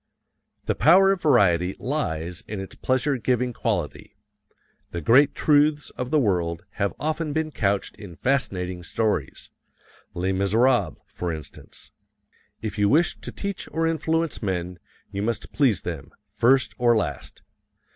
The power of variety lies in its pleasure giving quality. The great truths of the world have often been couched in fascinating stories "Les Miserables," for instance. If you wish to teach or influence men, you must please them, first or last.